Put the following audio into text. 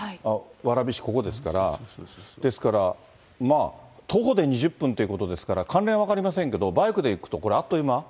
蕨市ここですから、ですから、徒歩で２０分ということですから、関連は分かりませんけど、バイクで行くと、これ、あっという間？